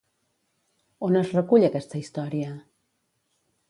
On es recull aquesta història?